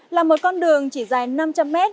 là một con đường chỉ dài năm trăm linh mét